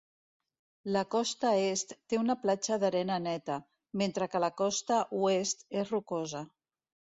La costa est té una platja d'arena neta, mentre que la costa oest és rocosa.